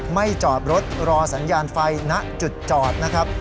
จอดรถรอสัญญาณไฟณจุดจอดนะครับ